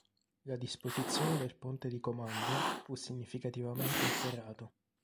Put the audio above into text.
La disposizione del ponte di comando fu significativamente alterato.